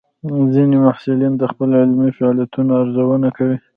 ځینې محصلین د خپل علمي فعالیتونو ارزونه کوي.